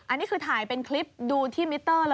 อันนี้คือถ่ายเป็นคลิปดูที่มิเตอร์เลย